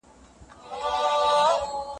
پاڼې پاڼې